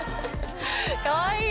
かわいい！